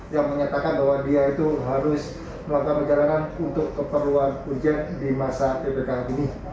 yang menyatakan bahwa dia itu harus melakukan perjalanan untuk keperluan ujian di masa ppkm ini